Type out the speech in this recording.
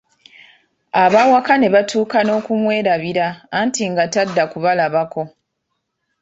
Abaawaka ne batuuka n'okumwerabira anti nga tadda kubalabako.